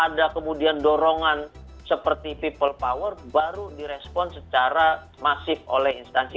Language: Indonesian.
ada kemudian dorongan seperti people power baru direspon secara masif oleh instansi